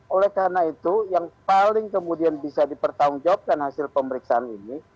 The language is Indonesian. oleh karena itu yang paling kemudian bisa dipertanggungjawabkan hasil pemeriksaan ini